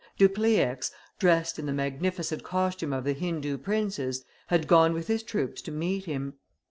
Dupleix, dressed in the magnificent costume of, the Hindoo princes, had gone with his troops to meet him.